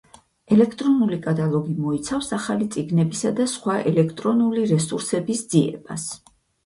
ელექტრონული კატალოგი მოიცავს ახალი წიგნებისა და სხვა ელექტრონული რესურსების ძიებას.